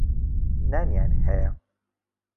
نانیان هەیە.